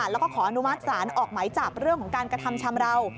แล้วก็ขออนุมาทศาลออกใหม่จากเรื่องของการกระทำชำเหล้า